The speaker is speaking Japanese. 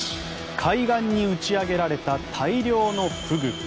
海岸に打ち上げられた大量のフグ。